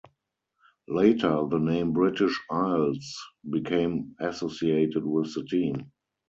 Later the name British Isles became associated with the team.